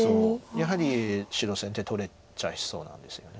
やはり白先手取れちゃいそうなんですよね。